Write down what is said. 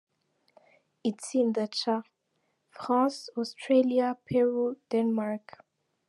Itsinda C: France, Australia, Peru, Denmark.